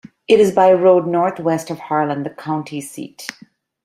It is by road northwest of Harlan, the county seat.